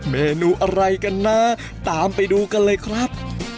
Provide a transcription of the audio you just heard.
เมนูอะไรกันนะตามไปดูกันเลยครับ